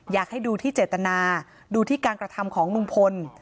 อยากให้ดูที่เจตนาดูที่การกระทำของลุงพล